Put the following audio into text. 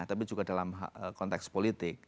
tapi juga dalam konteks politik